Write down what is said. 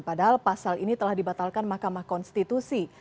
padahal pasal ini telah dibatalkan mahkamah konstitusi